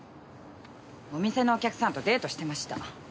お店のお客さんとデートしてました。